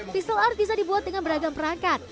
pistol art bisa dibuat dengan beragam perangkat